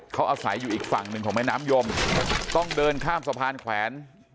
เขาอาศัยอยู่อีกฝั่งหนึ่งของแม่น้ำยมต้องเดินข้ามสะพานแขวน